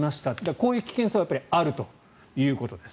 こういう危険性はあるということです。